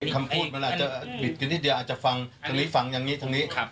คำพูดมันอาจจะบิดกันนิดเดียวอาจจะฟังตรงนี้ฟังอย่างนี้ตรงนี้